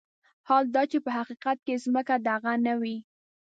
حال دا چې په حقيقت کې ځمکه د هغه نه وي.